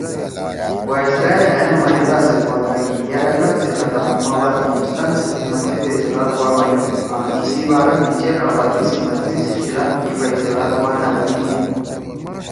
وائسرائے ہأ نمائندا سیت وعدہ کی یرأ لات سی ختم ہؤ ما بعد ہندوستان سی قسمت سی فیصلہ کوا بئینیِن آں ایِسی بارا می چیر آبادی سی مرضی سی خلاف کی فیصلہ کوا نہ بئینیِن